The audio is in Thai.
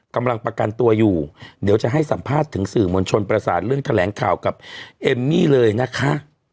กำลังประกันตัวอยู่เดี๋ยวจะให้สัมภาษณ์ถึงสื่อมวลชนประสานเรื่องแถลงข่าวกับเอมมี่เลยนะคะ